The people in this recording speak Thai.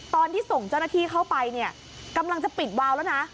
ตอนที่ส่งเจ้าหน้าที่เข้าไปเนี่ยกำลังจะปิดวาวแล้วนะ